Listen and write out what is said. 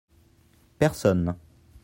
personne.